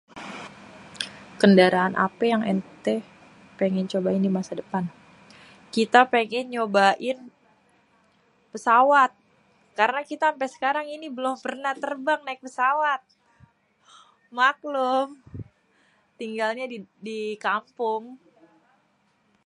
"""kendaraan apè yang vntè pengen cobain di masa depan?"".. kita pengen nyobain pesawat.. karena kita ampè sekarang ini belum pernah terbang naèk pesawat.. maklum tinggalnya di kampung.."